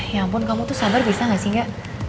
ya ampun kamu tuh sabar bisa gak sih enggak